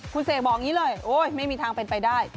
คุณเสกบอกอย่างนี้เลยโอ๊ยไม่มีทางเป็นไปได้